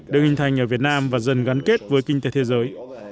được hình thành ở việt nam và dần gắn kết với kinh tế thế giới